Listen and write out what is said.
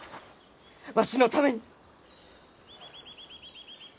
わしのために！